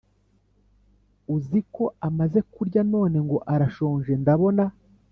uziko amaze kurya none ngo arashonje ndabona